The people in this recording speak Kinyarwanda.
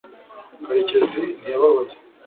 karekezi ntiyababaye